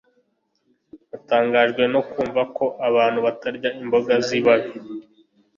Natangajwe nuko numvise ko abantu batarya imboga zibabi